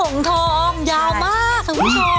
งทองยาวมากคุณผู้ชม